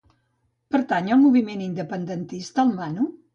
Pertany al moviment independentista el Manu?